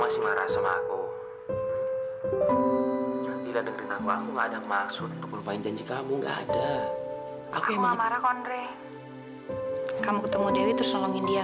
sampai jumpa di video selanjutnya